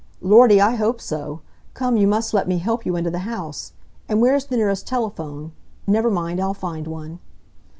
"Lordy, I hope so! Come, you must let me help you into the house. And where is the nearest telephone? Never mind; I'll find one."